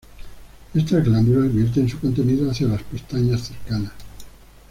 Estas glándulas vierten su contenido hacia las pestañas cercanas.